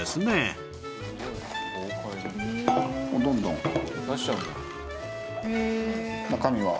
どんどん。